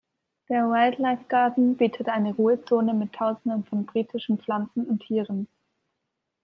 Der "Wildlife Garden" bietet eine Ruhezone mit tausenden von britischen Pflanzen und Tieren.